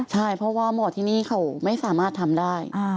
ใช่เพราะว่าหมอที่นี่เขาไม่สามารถทำได้